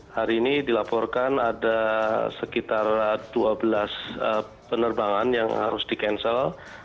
hari ini dilaporkan ada sekitar dua belas penerbangan yang harus di cancel